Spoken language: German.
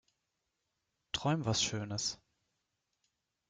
Träum was schönes.